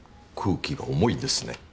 空気が重いですね。